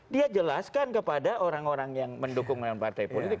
dia jelaskan kepada orang orang yang mendukung dengan partai politik